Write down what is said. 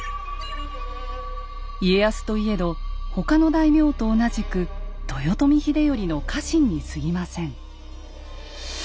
家康といえど他の大名と同じく豊臣秀頼の家臣にすぎません。